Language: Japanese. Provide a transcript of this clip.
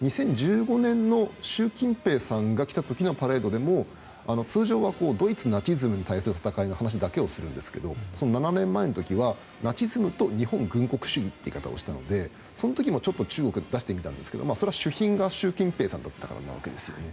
２０１５年の習近平さんが来た時のパレードでも通常はドイツナチズムに対する戦いの話だけをするんですけど７年前はナチス軍と日本軍国主義という言い方をしたのでその時も中国を出してみたんですがそれは主賓が習近平さんだったからなわけですよね。